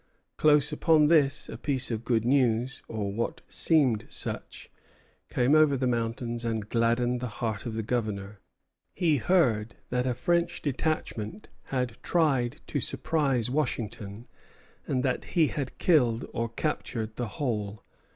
Close upon this, a piece of good news, or what seemed such, came over the mountains and gladdened the heart of the Governor. He heard that a French detachment had tried to surprise Washington, and that he had killed or captured the whole.